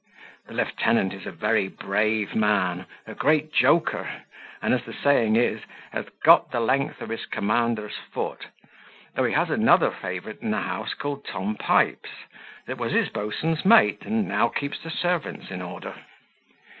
The lieutenant is a very brave man, a great joker, and, as the saying is, hath got the length of his commander's foot though he has another favourite in the house called Tom Pipes, that was his boatswain's mate, and now keeps the servants in order.